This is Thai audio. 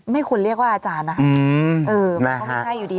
ไม่ควรเรียกว่าอาจารย์นะคะเออมันก็ไม่ใช่อยู่ดี